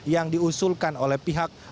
yang diusulkan oleh pihak